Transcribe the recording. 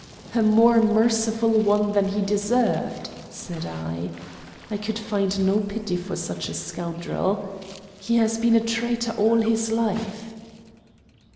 "A more merciful one than he deserved," said I. I could find no pity for such a scoundrel. "He has been a traitor all his life."